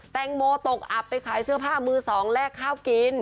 แตงโมตกอับไปขายเสื้อผ้ามือสองแลกข้าวกิน